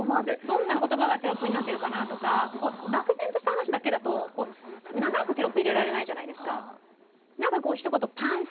どんな言葉がテロップになってるかなとか漠然とした話だけだとこう長くテロップ入れられないじゃないですか。